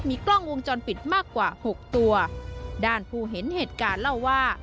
กล้องวงจรปิดมากกว่าหกตัวด้านผู้เห็นเหตุการณ์เล่าว่า